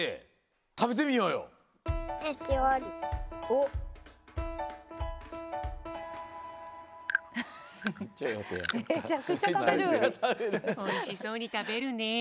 おいしそうに食べるねえ。